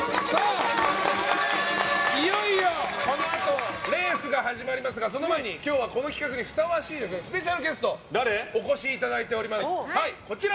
いよいよこのあとレースが始まりますがその前に今日はこの企画にふさわしいスペシャルゲストにお越しいただいております。